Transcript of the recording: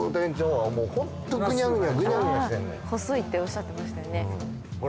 ああ細いっておっしゃってましたよね。